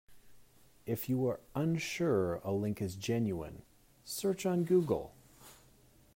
If you are unsure a link is genuine, search on Google.